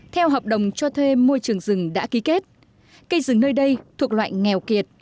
theo hợp đồng cho thuê môi trường rừng đã ký kết cây rừng nơi đây thuộc loại nghèo kiệt